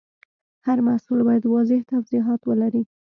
هر محصول باید واضح توضیحات ولري.